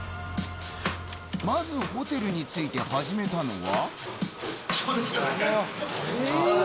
まず、ホテルに着いて始めたのは。